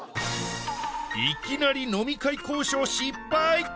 いきなり飲み会交渉失敗！